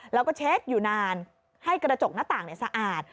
แล้วก็เช็คอยู่นานให้กระจกหน้าต่างสะอาด